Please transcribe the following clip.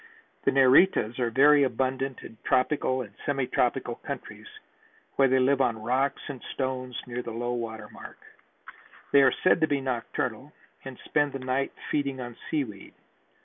The Neritas are very abundant in tropical and semi tropical countries where they live on rocks and stones near low water mark. They are said to be nocturnal and spend the night feeding on seaweed.